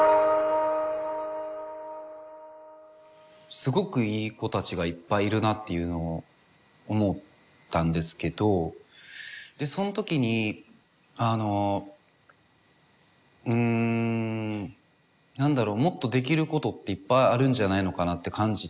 すごくいい子たちがいっぱいいるなっていうのを思ったんですけどその時にうん何だろうもっとできることっていっぱいあるんじゃないのかなって感じて。